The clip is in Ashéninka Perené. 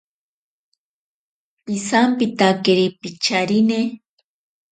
Pisampitakeri picharine.